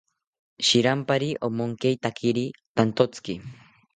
Shirampari omonkeitakiri tantotziki